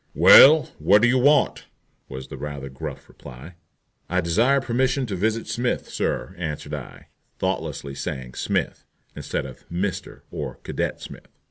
"Well, what do you want?" was the rather gruff reply. "I desire permission to visit Smith, sir," answered I, thoughtlessly saying "Smith," instead of "Mr" or "Cadet Smith."